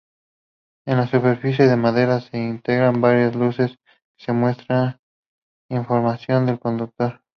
En la superficie de madera se integran varias luces que muestran información al conductor.